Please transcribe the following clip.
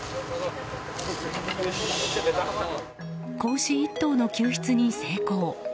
子牛１頭の救出に成功。